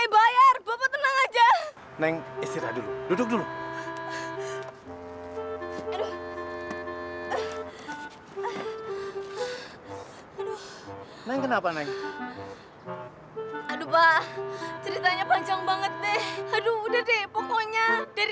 bapak punya minum gak pak